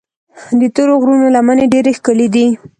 د تورو غرونو لمنې ډېرې ښکلي دي.